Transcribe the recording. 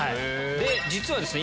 実はですね